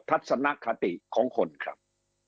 ทัศนคติของคนครับ